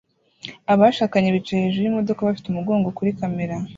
Abashakanye bicaye hejuru yimodoka bafite umugongo kuri kamera